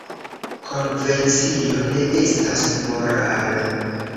Konvencio ne estas moralo.